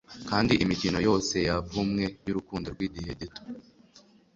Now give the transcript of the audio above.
Kandi imikino yose yavumwe yurukundo rwigihe gito